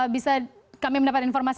bisa kami mendapatkan informasi